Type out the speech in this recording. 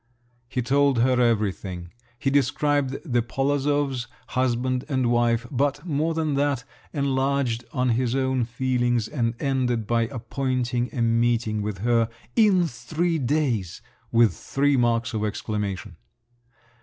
He told her everything; he described the Polozovs—husband and wife—but, more than all, enlarged on his own feelings, and ended by appointing a meeting with her in three days!!! (with three marks of exclamation).